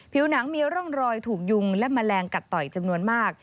ผิวหนังมีร่องรอยถูกยุงและแมลงกัดต่อยจำนวนมาก